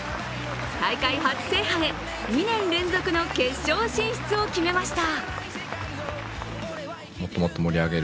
大会初制覇へ、２年連続の決勝進出を決めました